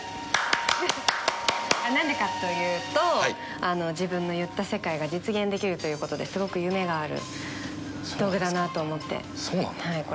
なんでかと言うと自分の言った世界が実現できるということですごく夢がある道具だなと思ってこれにしました。